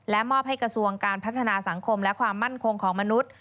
มอบให้กระทรวงการพัฒนาสังคมและความมั่นคงของมนุษย์